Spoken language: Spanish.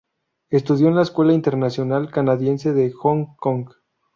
Estudió en la Escuela Internacional Canadiense de Hong Kong.